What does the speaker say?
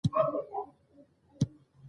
د نیمه ښو او بدو تصویر ضروري وي.